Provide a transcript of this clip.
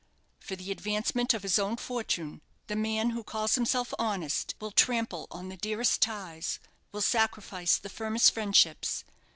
For the advancement of his own fortunes, the man who calls himself honest will trample on the dearest ties, will sacrifice the firmest friendships.